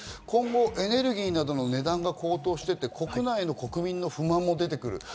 今後エネルギーなどの値段が高騰していって、国内の国民の不満も出てくる。